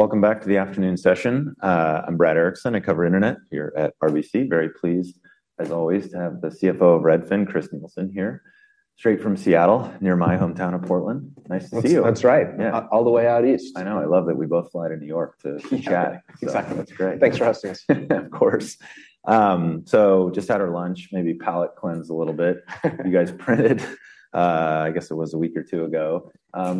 Welcome back to the afternoon session. I'm Brad Erickson. I cover internet here at RBC. Very pleased, as always, to have the CFO of Redfin, Chris Nielsen, here, straight from Seattle, near my hometown of Portland. Nice to see you. That's, that's right. Yeah. All the way out east. I know. I love that we both fly to New York to chat. Exactly. That's great. Thanks for hosting us. Of course. So just had our lunch, maybe palate cleanse a little bit. You guys printed, I guess it was a week or two ago.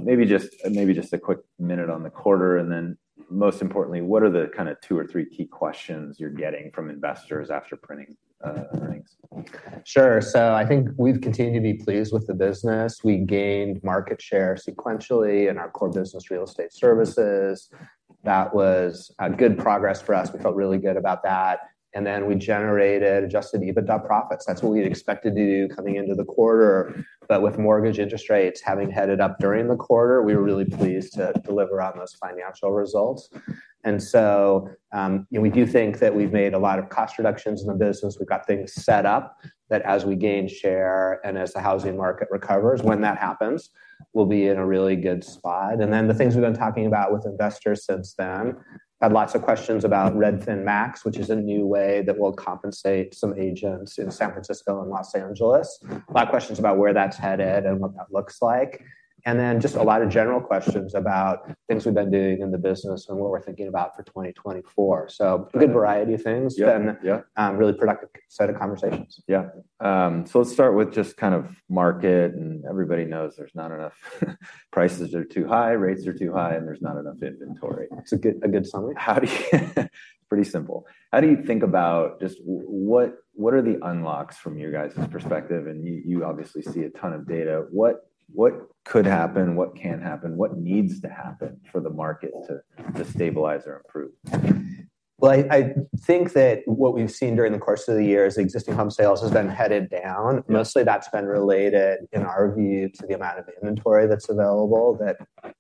Maybe just a quick minute on the quarter, and then, most importantly, what are the kind of two or three key questions you're getting from investors after printing earnings? Sure. So I think we've continued to be pleased with the business. We gained market share sequentially in our core business, real estate services. That was a good progress for us. We felt really good about that, and then we generated Adjusted EBITDA profits. That's what we expected to do coming into the quarter. But with mortgage interest rates having headed up during the quarter, we were really pleased to deliver on those financial results. And so, we do think that we've made a lot of cost reductions in the business. We've got things set up that as we gain share and as the housing market recovers, when that happens, we'll be in a really good spot. And then, the things we've been talking about with investors since then, had lots of questions about Redfin Max, which is a new way that we'll compensate some agents in San Francisco and Los Angeles. Lots of questions about where that's headed and what that looks like. And then, just a lot of general questions about things we've been doing in the business and what we're thinking about for 2024. So- Yeah... good variety of things. Yeah, yeah. Really productive set of conversations. Yeah. So let's start with just kind of market, and everybody knows there's not enough. Prices are too high, rates are too high, and there's not enough inventory. It's a good summary. How do you...? Pretty simple. How do you think about just what, what are the unlocks from your guys' perspective? You, you obviously see a ton of data. What, what could happen, what can happen, what needs to happen for the market to, to stabilize or improve? Well, I think that what we've seen during the course of the year is existing home sales has been headed down. Mm. Mostly, that's been related, in our view, to the amount of inventory that's available, that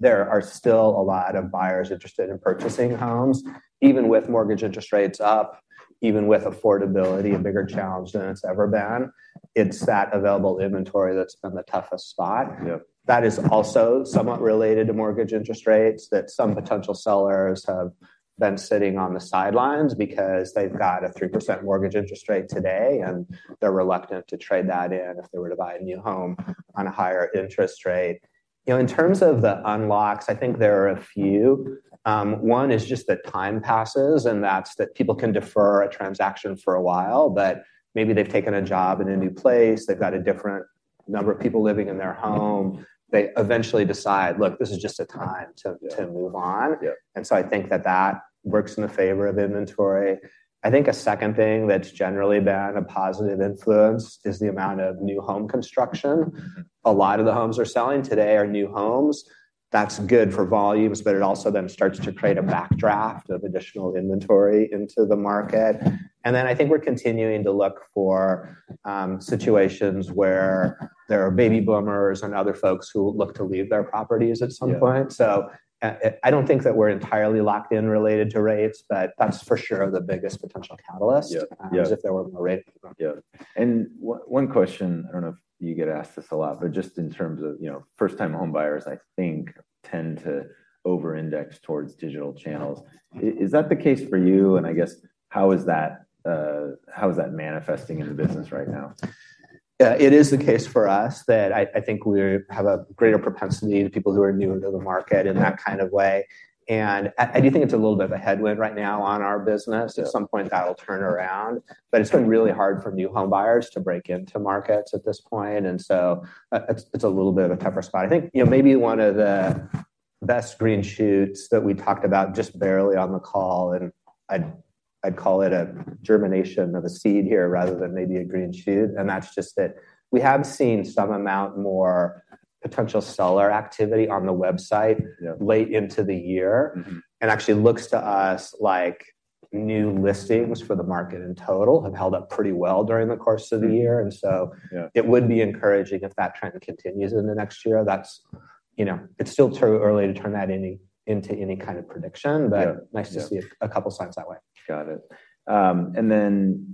there are still a lot of buyers interested in purchasing homes, even with mortgage interest rates up, even with affordability, a bigger challenge than it's ever been. It's that available inventory that's been the toughest spot. Yeah. That is also somewhat related to mortgage interest rates, that some potential sellers have been sitting on the sidelines because they've got a 3% mortgage interest rate today, and they're reluctant to trade that in if they were to buy a new home on a higher interest rate. You know, in terms of the unlocks, I think there are a few. One is just that time passes, and that's that people can defer a transaction for a while, but maybe they've taken a job in a new place. They've got a different number of people living in their home. They eventually decide, "Look, this is just a time to- Yeah... to move on. Yeah. I think that that works in the favor of inventory. I think a second thing that's generally been a positive influence is the amount of new home construction. Mm-hmm. A lot of the homes we're selling today are new homes. That's good for volumes, but it also then starts to create a backdraft of additional inventory into the market. I think we're continuing to look for situations where there are baby boomers and other folks who look to leave their properties at some point. Yeah. So, I don't think that we're entirely locked in related to rates, but that's for sure the biggest potential catalyst- Yeah. Yeah... as if there were a rate. Yeah. And one question, I don't know if you get asked this a lot, but just in terms of, you know, first-time home buyers, I think, tend to over-index towards digital channels. Is that the case for you? And I guess, how is that manifesting in the business right now? It is the case for us that I think we have a greater propensity to people who are new into the market in that kind of way. And I do think it's a little bit of a headwind right now on our business. Yeah. At some point, that'll turn around, but it's been really hard for new home buyers to break into markets at this point, and so, it's a little bit of a tougher spot. I think, you know, maybe one of the best green shoots that we talked about just barely on the call, and I'd call it a germination of a seed here, rather than maybe a green shoot, and that's just that we have seen some amount more potential seller activity on the website- Yeah... late into the year. Mm-hmm. Actually, it looks to us like new listings for the market in total have held up pretty well during the course of the year. Mm-hmm. And so- Yeah... it would be encouraging if that trend continues in the next year. That's, you know... It's still too early to turn that into any kind of prediction- Yeah, yeah... but nice to see a couple signs that way. Got it. And then,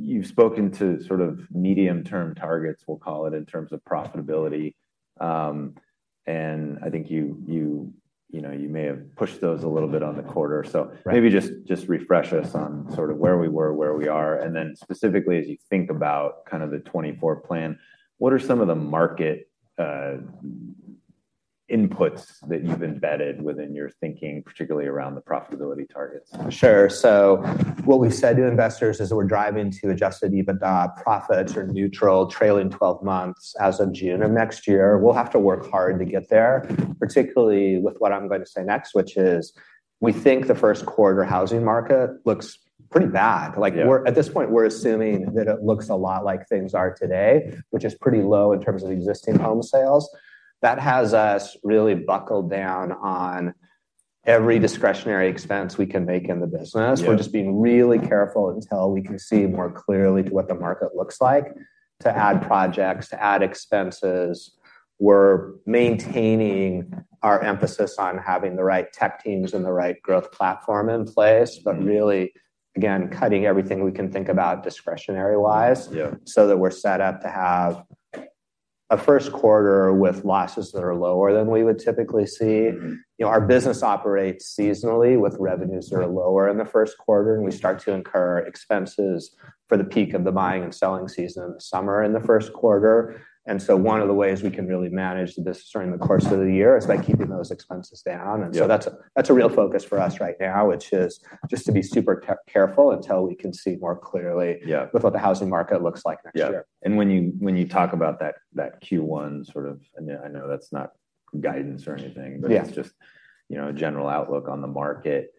you've spoken to sort of medium-term targets, we'll call it, in terms of profitability. And I think, you know, you may have pushed those a little bit on the quarter. Right. Maybe just refresh us on sort of where we were, where we are, and then specifically, as you think about kind of the 2024 plan, what are some of the market inputs that you've embedded within your thinking, particularly around the profitability targets? Sure. So what we've said to investors is that we're driving to Adjusted EBITDA, profits are neutral, trailing twelve months as of June of next year. We'll have to work hard to get there, particularly with what I'm going to say next, which is: we think the first quarter housing market looks pretty bad. Yeah. Like, we're at this point, we're assuming that it looks a lot like things are today, which is pretty low in terms of existing home sales. That has us really buckled down on every discretionary expense we can make in the business. Yeah. We're just being really careful until we can see more clearly to what the market looks like, to add projects, to add expenses. We're maintaining our emphasis on having the right tech teams and the right growth platform in place- Mm-hmm... but really, again, cutting everything we can think about discretionary-wise- Yeah so that we're set up to have a first quarter with losses that are lower than we would typically see. You know, our business operates seasonally, with revenues that are lower in the first quarter, and we start to incur expenses for the peak of the buying and selling season in the summer and the first quarter. And so one of the ways we can really manage this during the course of the year is by keeping those expenses down. Yeah. That's a real focus for us right now, which is just to be super careful until we can see more clearly- Yeah with what the housing market looks like next year. Yeah. And when you talk about that Q1 sort of... I know that's not guidance or anything- Yeah but just, you know, a general outlook on the market.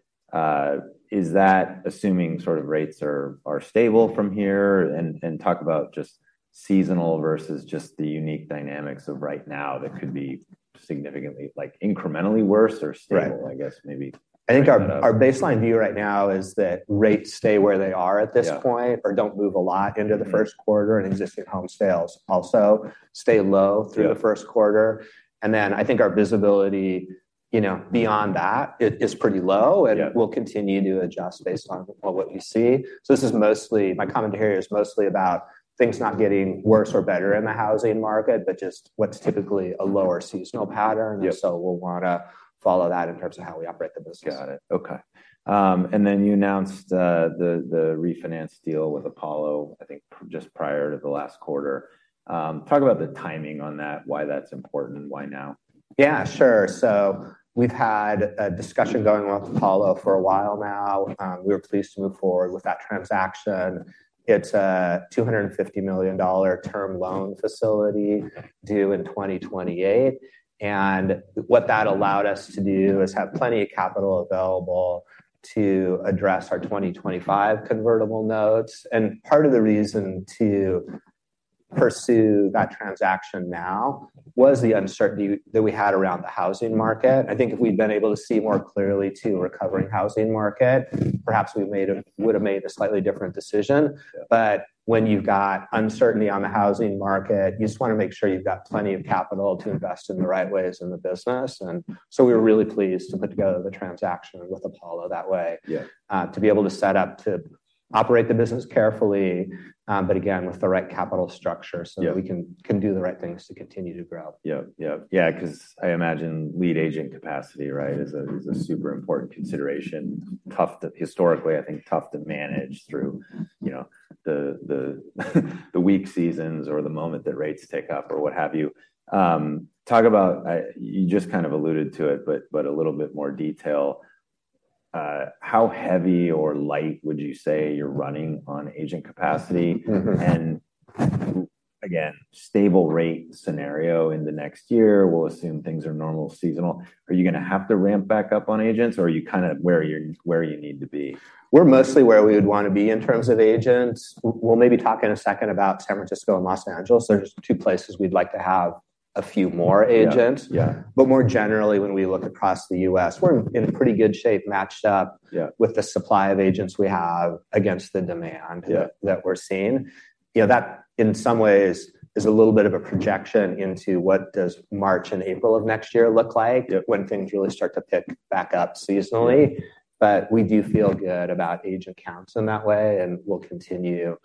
Is that assuming sort of rates are stable from here? And talk about just seasonal versus just the unique dynamics of right now, that could be significantly, like, incrementally worse or stable- Right I guess maybe. I think our baseline view right now is that rates stay where they are at this point- Yeah or don't move a lot into the first quarter, and existing home sales also stay low. Yeah through the first quarter. And then, I think our visibility, you know, beyond that is pretty low- Yeah... and we'll continue to adjust based on what we see. So this is mostly-- my commentary is mostly about things not getting worse or better in the housing market, but just what's typically a lower seasonal pattern. Yeah. So we'll want to follow that in terms of how we operate the business. Got it. Okay. And then you announced the refinance deal with Apollo, I think, just prior to the last quarter. Talk about the timing on that, why that's important, and why now? Yeah, sure. So we've had a discussion going on with Apollo for a while now. We're pleased to move forward with that transaction. It's a $250 million term loan facility due in 2028, and what that allowed us to do is have plenty of capital available to address our 2025 convertible notes. And part of the reason to pursue that transaction now was the uncertainty that we had around the housing market. I think if we'd been able to see more clearly to a recovering housing market, perhaps we would've made a slightly different decision. Yeah. But when you've got uncertainty on the housing market, you just want to make sure you've got plenty of capital to invest in the right ways in the business. And so we were really pleased to put together the transaction with Apollo that way- Yeah... to be able to set up to operate the business carefully, but again, with the right capital structure- Yeah so that we can do the right things to continue to grow. Yeah. Yeah. Yeah, because I imagine lead agent capacity, right, is a super important consideration. Tough to historically, I think, tough to manage through, you know, the weak seasons or the moment that rates tick up or what have you. Talk about... You just kind of alluded to it, but a little bit more detail. How heavy or light would you say you're running on agent capacity? Mm-hmm. Again, stable rate scenario in the next year, we'll assume things are normal, seasonal. Are you going to have to ramp back up on agents, or are you kind of where you're- where you need to be? We're mostly where we would want to be in terms of agents. We'll maybe talk in a second about San Francisco and Los Angeles. They're just two places we'd like to have a few more agents. Yeah, yeah. But more generally, when we look across the U.S., we're in pretty good shape, matched up- Yeah with the supply of agents we have against the demand Yeah that we're seeing. You know, that, in some ways, is a little bit of a projection into what does March and April of next year look like? Yeah - when things really start to pick back up seasonally. But we do feel good about agent counts in that way, and we'll continue,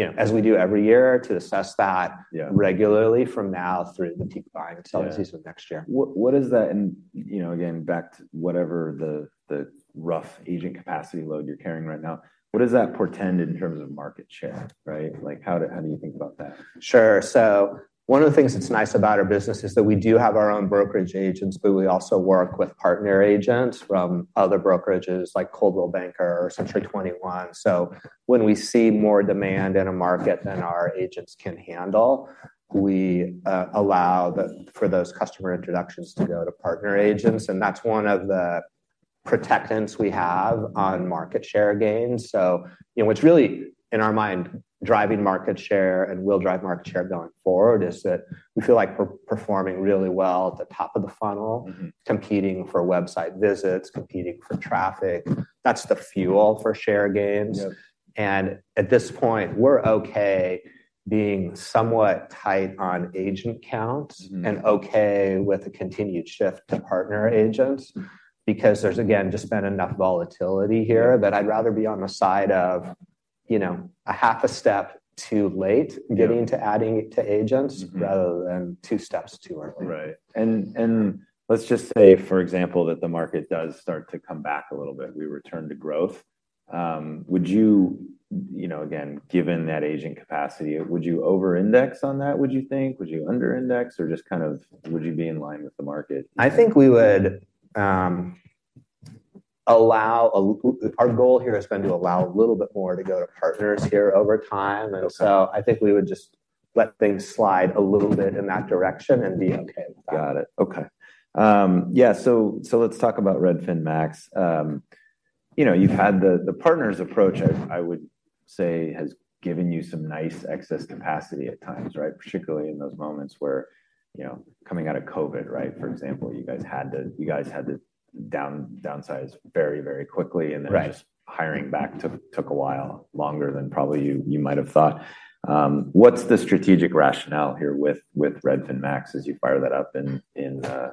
you know, as we do every year, to assess that- Yeah regularly from now through the peak buying and selling season next year. Yeah. What does that and, you know, again, back to whatever the rough agent capacity load you're carrying right now, what does that portend in terms of market share, right? Like, how do you think about that? Sure. So one of the things that's nice about our business is that we do have our own brokerage agents, but we also work with partner agents from other brokerages, like Coldwell Banker or Century 21. So when we see more demand in a market than our agents can handle, we allow for those customer introductions to go to partner agents, and that's one of the protections we have on market share gains. So you know, what's really, in our mind, driving market share and will drive market share going forward is that we feel like we're performing really well at the top of the funnel- Mm-hmm... competing for website visits, competing for traffic. That's the fuel for share gains. Yep. At this point, we're okay being somewhat tight on agent count- Mm-hmm... and okay with the continued shift to partner agents. Mm-hmm. Because there's, again, just been enough volatility here- Yeah that I'd rather be on the side of, you know, a half a step too late. Yeah getting to adding agents Mm-hmm rather than two steps too early. Right. And let's just say, for example, that the market does start to come back a little bit. We return to growth. Would you... You know, again, given that agent capacity, would you over-index on that, would you think? Would you under-index, or just kind of would you be in line with the market? I think we would, our goal here has been to allow a little bit more to go to partners here over time. Okay. I think we would just let things slide a little bit in that direction and be okay with that. Got it. Okay. Yeah, so let's talk about Redfin Max. You know, you've had the partners approach, I would say, has given you some nice excess capacity at times, right? Particularly in those moments where, you know, coming out of Covid, right? For example, you guys had to downsize very, very quickly- Right... and then just hiring back took a while, longer than probably you might have thought. What's the strategic rationale here with Redfin Max as you fire that up in San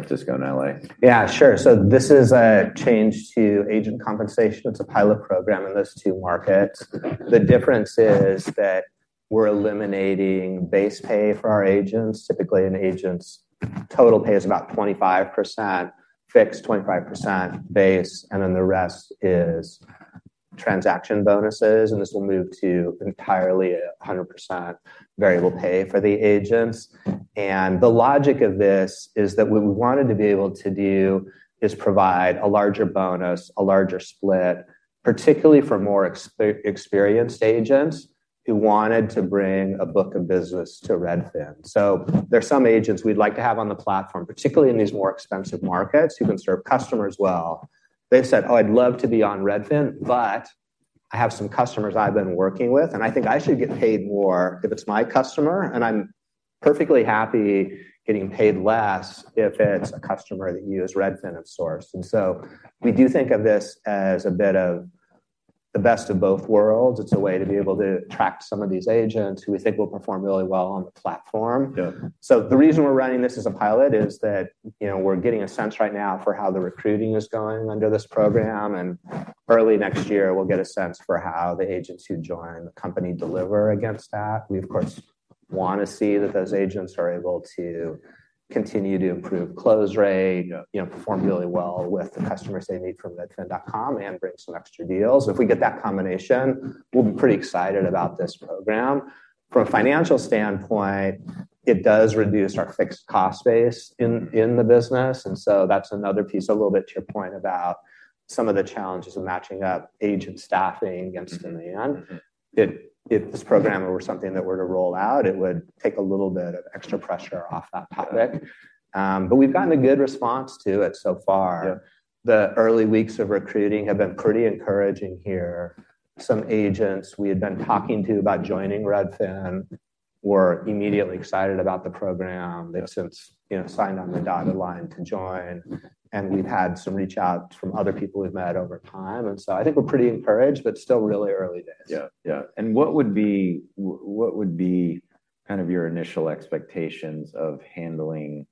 Francisco and LA? Yeah, sure. So this is a change to agent compensation. It's a pilot program in those two markets. The difference is that we're eliminating base pay for our agents. Typically, an agent's total pay is about 25% fixed, 25% base, and then the rest is transaction bonuses, and this will move to entirely 100% variable pay for the agents. And the logic of this is that what we wanted to be able to do is provide a larger bonus, a larger split, particularly for more experienced agents who wanted to bring a book of business to Redfin. So there are some agents we'd like to have on the platform, particularly in these more expensive markets, who can serve customers well. They've said, "Oh, I'd love to be on Redfin, but I have some customers I've been working with, and I think I should get paid more if it's my customer, and I'm perfectly happy getting paid less if it's a customer that you as Redfin have sourced." And so we do think of this as a bit of the best of both worlds. It's a way to be able to attract some of these agents who we think will perform really well on the platform. Yeah. So the reason we're running this as a pilot is that, you know, we're getting a sense right now for how the recruiting is going under this program, and early next year, we'll get a sense for how the agents who join the company deliver against that. We, of course, wanna see that those agents are able to continue to improve close rate, you know, perform really well with the customers they meet from Redfin.com, and bring some extra deals. If we get that combination, we'll be pretty excited about this program. From a financial standpoint, it does reduce our fixed cost base in, in the business, and so that's another piece, a little bit to your point about some of the challenges of matching up agent staffing against demand. Mm-hmm. If this program were something that were to roll out, it would take a little bit of extra pressure off that topic. But we've gotten a good response to it so far. Yeah. The early weeks of recruiting have been pretty encouraging here. Some agents we had been talking to about joining Redfin were immediately excited about the program. They've since, you know, signed on the dotted line to join, and we've had some reach out from other people we've met over time, and so I think we're pretty encouraged, but still really early days. Yeah, yeah. And what would be kind of your initial expectations of handling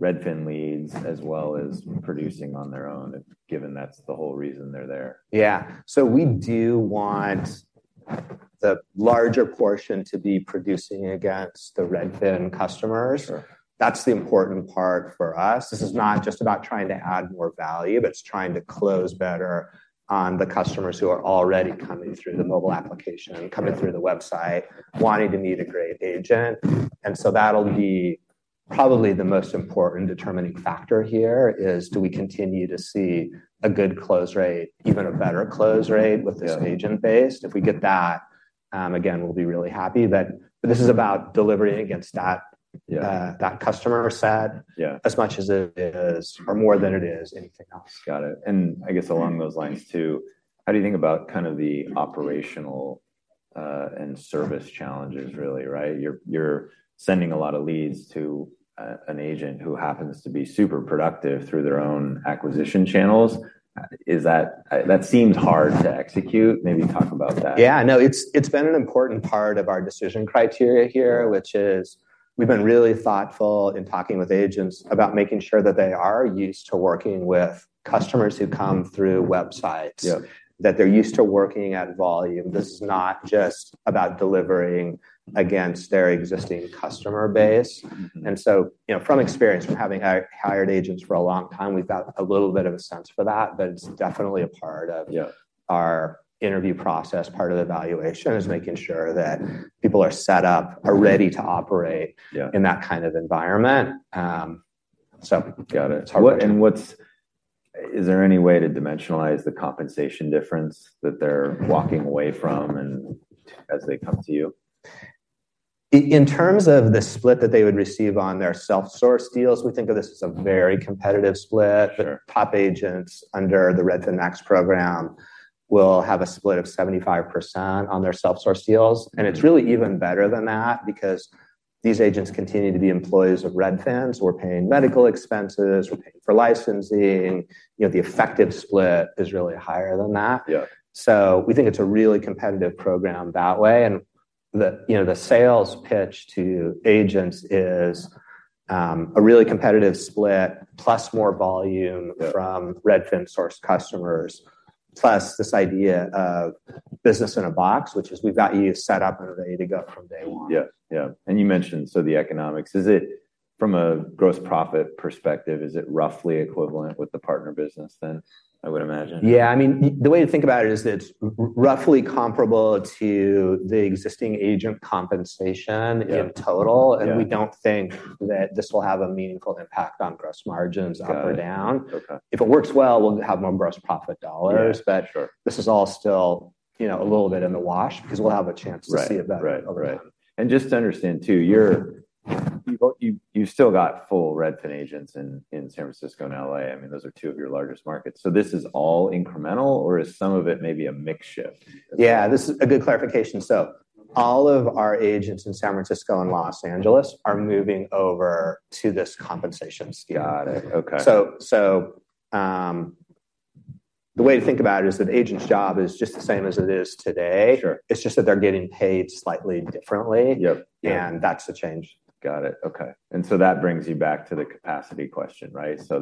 Redfin leads, as well as producing on their own, given that's the whole reason they're there? Yeah. So we do want the larger portion to be producing against the Redfin customers. Sure. That's the important part for us. This is not just about trying to add more value, but it's trying to close better on the customers who are already coming through the mobile application- Yeah... coming through the website, wanting to meet a great agent. And so that'll be probably the most important determining factor here, is do we continue to see a good close rate, even a better close rate- Yeah... with this agent base? If we get that, again, we'll be really happy. But this is about delivering against that- Yeah... that customer set- Yeah... as much as it is, or more than it is anything else. Got it. And I guess along those lines too, how do you think about kind of the operational and service challenges, really, right? You're sending a lot of leads to an agent who happens to be super productive through their own acquisition channels. Is that? That seems hard to execute. Maybe talk about that. Yeah, no, it's, it's been an important part of our decision criteria here, which is we've been really thoughtful in talking with agents about making sure that they are used to working with customers who come through websites- Yeah... that they're used to working at volume. This is not just about delivering against their existing customer base. Mm-hmm. And so, you know, from experience, from having hired agents for a long time, we've got a little bit of a sense for that, but it's definitely a part of- Yeah... our interview process. Part of the evaluation is making sure that people are set up, are ready to operate- Yeah... in that kind of environment. Got it. It's hard work. Is there any way to dimensionalize the compensation difference that they're walking away from as they come to you? In terms of the split that they would receive on their self-sourced deals, we think of this as a very competitive split. Sure. Top agents under the Redfin Max program will have a split of 75% on their self-sourced deals, and it's really even better than that because these agents continue to be employees of Redfin, so we're paying medical expenses, we're paying for licensing. You know, the effective split is really higher than that. Yeah. So we think it's a really competitive program that way, and, you know, the sales pitch to agents is, a really competitive split, plus more volume- Yeah... from Redfin-sourced customers, plus this idea of business in a box, which is we've got you set up and ready to go from day one. Yeah. Yeah, and you mentioned, so the economics, is it, from a gross profit perspective, is it roughly equivalent with the partner business then? I would imagine. Yeah, I mean, the way to think about it is that it's roughly comparable to the existing agent compensation- Yeah... in total. Yeah. We don't think that this will have a meaningful impact on gross margins up or down. Got it. Okay. If it works well, we'll have more gross profit dollars- Yeah, sure... but this is all still, you know, a little bit in the wash because we'll have a chance- Right... to see it better over time. Right. Right. And just to understand too, you've still got full Redfin agents in San Francisco and L.A. I mean, those are two of your largest markets. So this is all incremental, or is some of it maybe a mix shift? Yeah, this is a good clarification. So all of our agents in San Francisco and Los Angeles are moving over to this compensation scheme. Got it. Okay. So, the way to think about it is that agent's job is just the same as it is today. Sure. It's just that they're getting paid slightly differently. Yep. Yeah. That's the change. Got it. Okay. And so that brings you back to the capacity question, right? So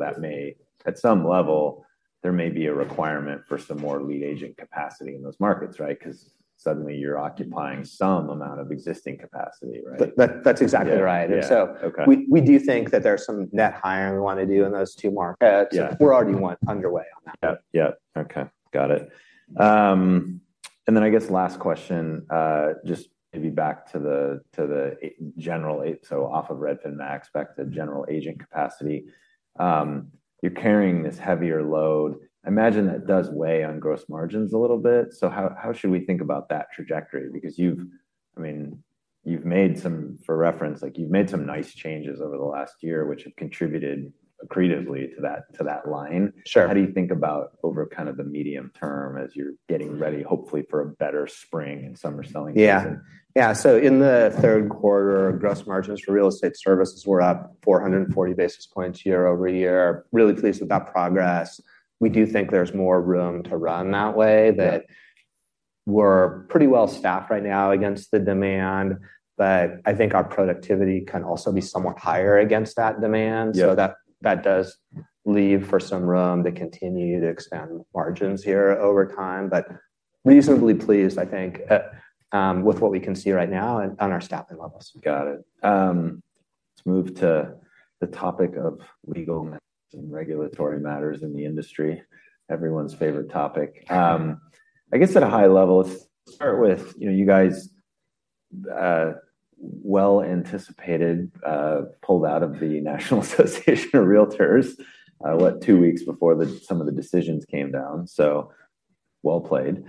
there may be a requirement for some more lead agent capacity in those markets, right? Because suddenly you're occupying some amount of existing capacity, right? That, that's exactly right. Yeah, yeah. Okay. So we do think that there's some net hiring we wanna do in those two markets. Yeah. We're already one underway on that. Yep, yep. Okay, got it. And then I guess last question, just maybe back to the general, so off of Redfin, I expect the general agent capacity. You're carrying this heavier load. I imagine that does weigh on gross margins a little bit. So how should we think about that trajectory? Because you've, I mean, you've made some, for reference, like you've made some nice changes over the last year, which have contributed accretively to that line. Sure. How do you think about over kind of the medium term as you're getting ready, hopefully, for a better spring and summer selling season? Yeah. Yeah, so in the third quarter, gross margins for real estate services were up 440 basis points year-over-year. Really pleased with that progress. We do think there's more room to run that way. Yeah... that we're pretty well staffed right now against the demand, but I think our productivity can also be somewhat higher against that demand. Yeah. So that does leave for some room to continue to expand margins here over time. But reasonably pleased, I think, with what we can see right now on our staffing levels. Got it. Let's move to the topic of legal and regulatory matters in the industry. Everyone's favorite topic. I guess at a high level, let's start with, you know, you guys well anticipated pulled out of the National Association of REALTORS®, what, two weeks before the some of the decisions came down. So, well played.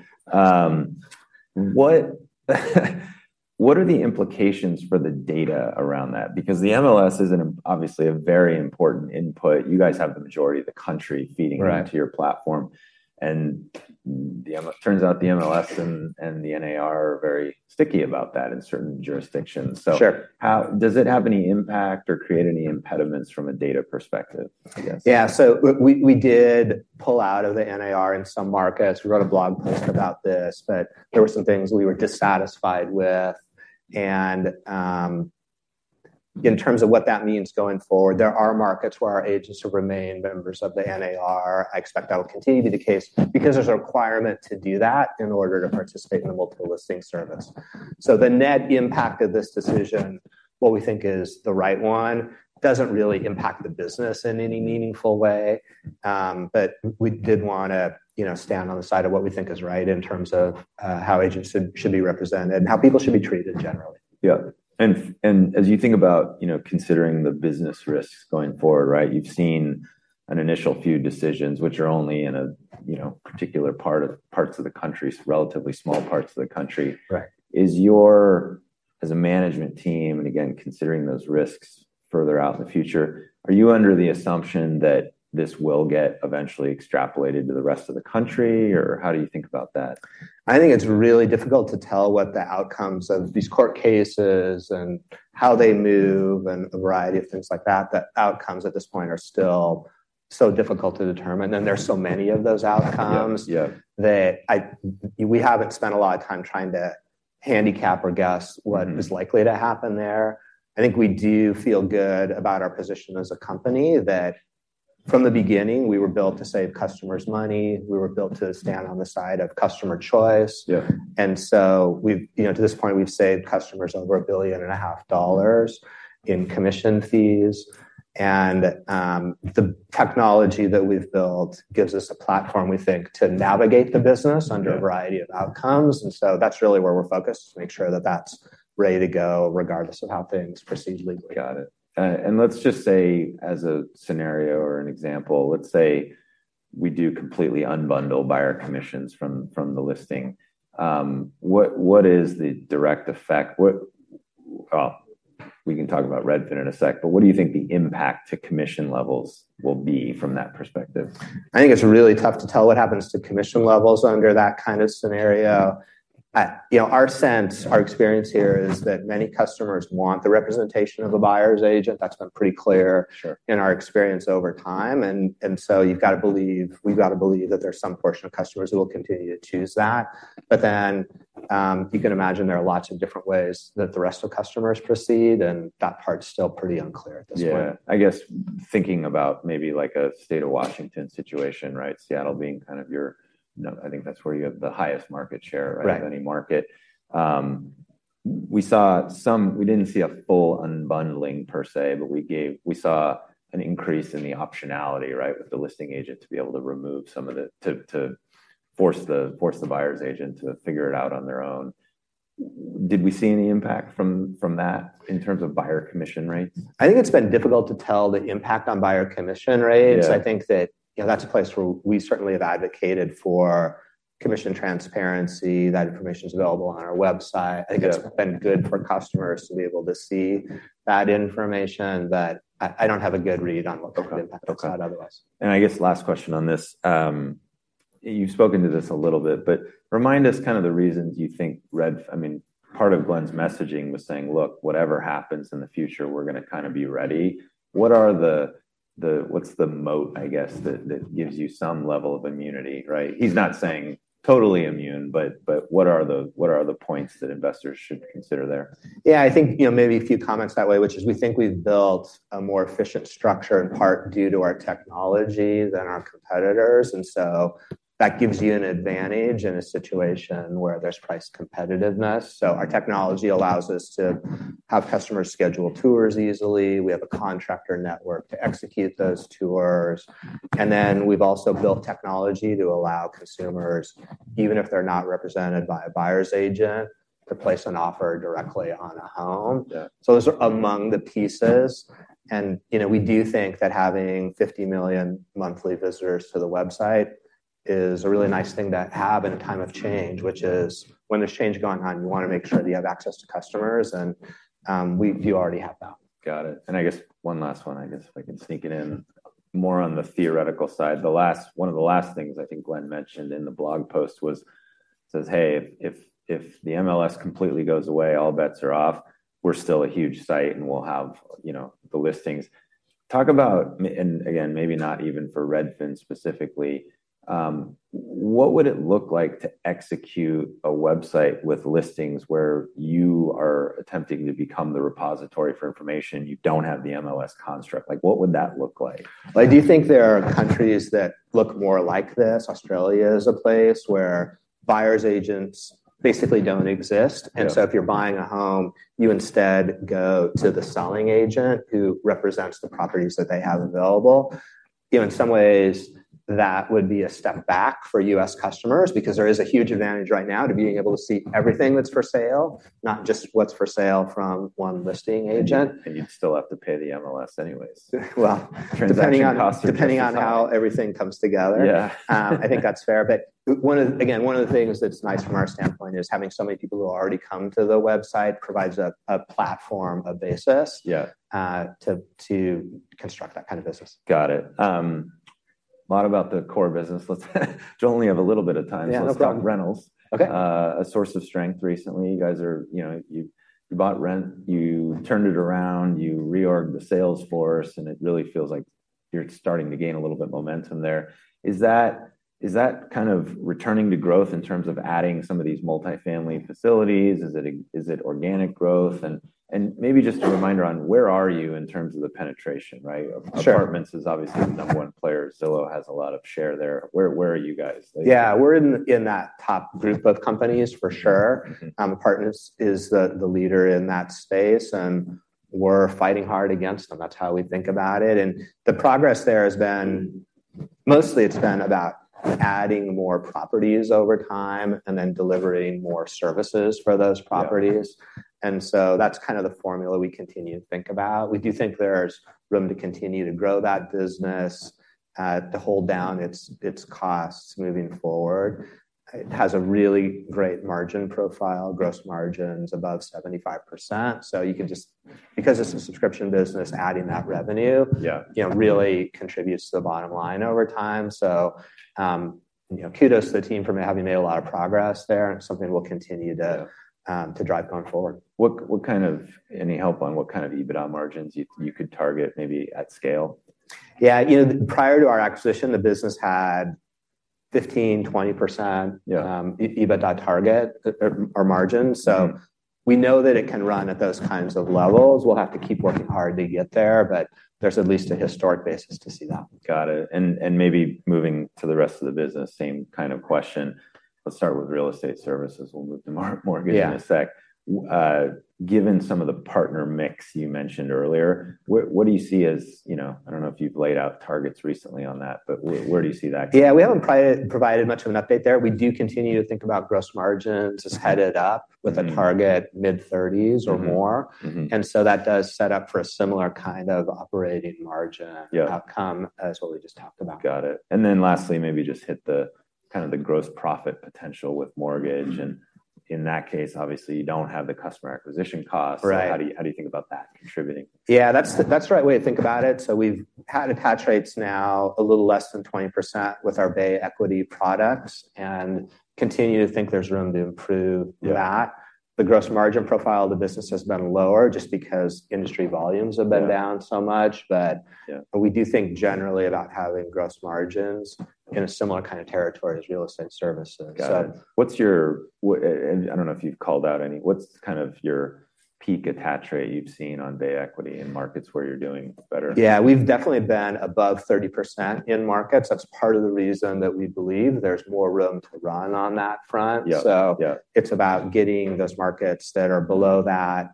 What are the implications for the data around that? Because the MLS is an obviously a very important input. You guys have the majority of the country feeding- Right... into your platform, and turns out the MLS and the NAR are very sticky about that in certain jurisdictions. Sure. So how does it have any impact or create any impediments from a data perspective, I guess? Yeah. So we did pull out of the NAR in some markets. We wrote a blog post about this, but there were some things we were dissatisfied with. And in terms of what that means going forward, there are markets where our agents remain members of the NAR. I expect that will continue to be the case because there's a requirement to do that in order to participate in the Multiple Listing Service. So the net impact of this decision, what we think is the right one, doesn't really impact the business in any meaningful way. But we did wanna, you know, stand on the side of what we think is right in terms of how agents should be represented and how people should be treated generally. Yeah. And as you think about, you know, considering the business risks going forward, right, you've seen an initial few decisions which are only in a, you know, particular part of, parts of the country, relatively small parts of the country. Right. As a management team, and again, considering those risks further out in the future, are you under the assumption that this will get eventually extrapolated to the rest of the country, or how do you think about that? I think it's really difficult to tell what the outcomes of these court cases and how they move and a variety of things like that. The outcomes at this point are still so difficult to determine, and there are so many of those outcomes- Yeah, yeah... that we haven't spent a lot of time trying to handicap or guess what- Mm... is likely to happen there. I think we do feel good about our position as a company, that from the beginning, we were built to save customers money. We were built to stand on the side of customer choice. Yeah. And so we've, you know, to this point, we've saved customers over $1.5 billion in commission fees. And the technology that we've built gives us a platform, we think, to navigate the business- Yeah... under a variety of outcomes. That's really where we're focused, to make sure that that's ready to go, regardless of how things proceed legally. Got it. And let's just say, as a scenario or an example, let's say we do completely unbundle buyer commissions from the listing. What is the direct effect? We can talk about Redfin in a sec, but what do you think the impact to commission levels will be from that perspective? I think it's really tough to tell what happens to commission levels under that kind of scenario. You know, our sense, our experience here is that many customers want the representation of a buyer's agent. That's been pretty clear. Sure... in our experience over time, and so you've got to believe, we've got to believe that there's some portion of customers who will continue to choose that. But then, you can imagine there are lots of different ways that the rest of customers proceed, and that part's still pretty unclear at this point. Yeah. I guess thinking about maybe like a state of Washington situation, right? Seattle being kind of your, you know, I think that's where you have the highest market share- Right... of any market. We saw some. We didn't see a full unbundling per se, but we saw an increase in the optionality, right, with the listing agent to be able to remove some of the to force the buyer's agent to figure it out on their own. Did we see any impact from that in terms of buyer commission rates? I think it's been difficult to tell the impact on buyer commission rates. Yeah. I think that, you know, that's a place where we certainly have advocated for commission transparency. That information is available on our website. Got it. I think it's been good for customers to be able to see that information, but I don't have a good read on what the impact is otherwise. Okay. Okay. And I guess last question on this. You've spoken to this a little bit, but remind us kind of the reasons you think Redfin—I mean, part of Glenn's messaging was saying: Look, whatever happens in the future, we're gonna kind of be ready. What are the, the, what's the moat, I guess, that, that gives you some level of immunity, right? He's not saying totally immune, but, but what are the, what are the points that investors should consider there? Yeah, I think, you know, maybe a few comments that way, which is we think we've built a more efficient structure, in part due to our technology, than our competitors. And so that gives you an advantage in a situation where there's price competitiveness. So our technology allows us to have customers schedule tours easily. We have a contractor network to execute those tours, and then we've also built technology to allow consumers, even if they're not represented by a buyer's agent, to place an offer directly on a home. Yeah. So those are among the pieces. And, you know, we do think that having 50 million monthly visitors to the website is a really nice thing to have in a time of change, which is when there's change going on, you wanna make sure that you have access to customers, and you already have that. Got it. I guess one last one, I guess, if I can sneak it in. More on the theoretical side. One of the last things I think Glenn mentioned in the blog post was, says, "Hey, if the MLS completely goes away, all bets are off. We're still a huge site, and we'll have, you know, the listings." Talk about and again, maybe not even for Redfin specifically, what would it look like to execute a website with listings where you are attempting to become the repository for information, you don't have the MLS construct? Like, what would that look like? I do think there are countries that look more like this. Australia is a place where buyer's agents basically don't exist. Yeah. And so if you're buying a home, you instead go to the selling agent, who represents the properties that they have available. You know, in some ways, that would be a step back for U.S. customers because there is a huge advantage right now to being able to see everything that's for sale, not just what's for sale from one listing agent. You'd still have to pay the MLS anyways. Well- Transaction costs- Depending on how everything comes together. Yeah. I think that's fair, but one of, again, one of the things that's nice from our standpoint is having so many people who already come to the website provides a, a platform, a basis- Yeah... to construct that kind of business. Got it. A lot about the core business. Let's, we only have a little bit of time. Yeah, no problem. Let's talk rentals. Okay. A source of strength recently. You guys are, you know, you, you bought Rent, you turned it around, you reorged the sales force, and it really feels like you're starting to gain a little bit of momentum there. Is that, is that kind of returning to growth in terms of adding some of these multifamily facilities? Is it, is it organic growth? And, and maybe just a reminder on where are you in terms of the penetration, right? Sure. Apartments.com is obviously the number one player. Zillow has a lot of share there. Where, where are you guys? Yeah, we're in that top group of companies, for sure. Mm-hmm. Apartments is the leader in that space, and we're fighting hard against them. That's how we think about it. The progress there has been—mostly it's been about adding more properties over time and then delivering more services for those properties. Yeah. And so that's kind of the formula we continue to think about. We do think there's room to continue to grow that business, to hold down its costs moving forward. It has a really great margin profile, gross margins above 75%. So you can just... Because it's a subscription business, adding that revenue- Yeah... you know, really contributes to the bottom line over time. So, you know, kudos to the team for having made a lot of progress there, and it's something we'll continue to drive going forward. What kind of... Any help on what kind of EBITDA margins you could target, maybe at scale? Yeah. You know, prior to our acquisition, the business had 15%-20%- Yeah... EBITDA target or margin. Mm. So we know that it can run at those kinds of levels. We'll have to keep working hard to get there, but there's at least a historic basis to see that. Got it. And maybe moving to the rest of the business, same kind of question. Let's start with real estate services. We'll move to mortgage- Yeah... in a sec. Given some of the partner mix you mentioned earlier, what, what do you see as, you know, I don't know if you've laid out targets recently on that, but where, where do you see that going? Yeah, we haven't provided much of an update there. We do continue to think about gross margins as headed up- Mm... with a target mid-30s or more. Mm-hmm. Mm-hmm. That does set up for a similar kind of operating margin- Yeah... outcome as what we just talked about. Got it. And then lastly, maybe just hit the kind of the gross profit potential with mortgage. Mm. In that case, obviously, you don't have the customer acquisition costs. Right. So how do you think about that contributing? Yeah, that's the right way to think about it. So we've had attach rates now a little less than 20% with our Bay Equity products and continue to think there's room to improve that. Yeah. The gross margin profile of the business has been lower just because industry volumes have been- Yeah... down so much. But- Yeah... but we do think generally about having gross margins in a similar kind of territory as real estate services. Got it. What's your, and I don't know if you've called out any, what's kind of your peak attach rate you've seen on Bay Equity in markets where you're doing better? Yeah, we've definitely been above 30% in markets. That's part of the reason that we believe there's more room to run on that front. Yeah, yeah. So it's about getting those markets that are below that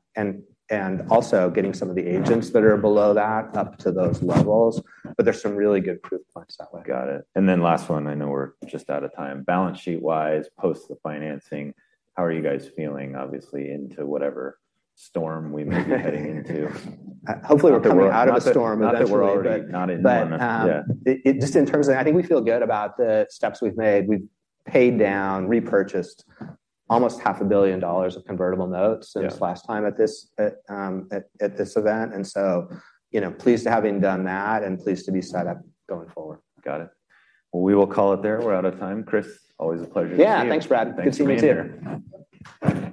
and also getting some of the agents that are below that, up to those levels. But there's some really good proof points that way. Got it. Then last one, I know we're just out of time. Balance sheet-wise, post the financing, how are you guys feeling, obviously, into whatever storm we may be heading into? Hopefully, we're coming out of a storm eventually. Not that we're already-- not in, but, yeah. But just in terms of... I think we feel good about the steps we've made. We've paid down, repurchased almost $500 million of convertible notes. Yeah... since last time at this event, and so, you know, pleased to having done that and pleased to be set up going forward. Got it. We will call it there. We're out of time. Chris, always a pleasure to see you. Yeah, thanks, Brad. Thanks for being here. Good seeing you too.